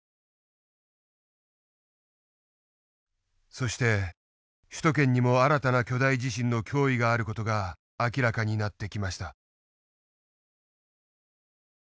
そして首都圏にも新たな巨大地震の脅威がある事が明らかになってきました。